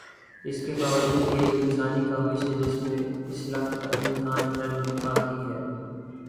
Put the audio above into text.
اس کے باوجود یہ ایک انسانی کاوش ہے جس میں اصلاح کا امکان ہر وقت باقی ہے۔